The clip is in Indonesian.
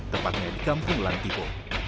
tepatnya di kampung lantiko